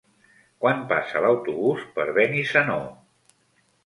Quan passa l'autobús per Benissanó?